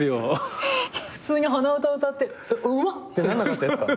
普通に鼻歌歌って「うまっ！」ってなんなかったですか？